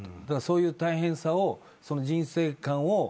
だからそういう大変さを」